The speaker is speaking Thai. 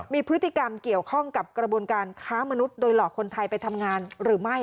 มีพฤติกรรมเกี่ยวข้องกับกระบวนการค้ามนุษย์โดยหลอกคนไทยไปทำงานหรือไม่